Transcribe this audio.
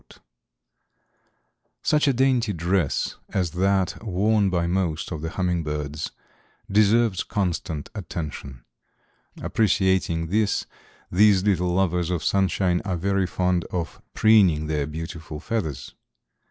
SCIENCES.] Such a dainty dress as that worn by most of the hummingbirds deserves constant attention. Appreciating this these little lovers of sunshine are very fond of preening their beautiful feathers.